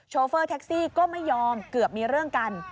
โฟเฟอร์แท็กซี่ก็ไม่ยอมเกือบมีเรื่องกัน